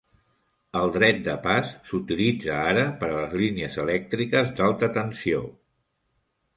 El dret de pas s'utilitza ara per a les línies elèctriques d'alta tensió.